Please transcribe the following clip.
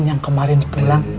yang kemarin bilang